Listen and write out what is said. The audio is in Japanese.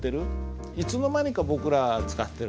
いつの間にか僕ら使ってるんです。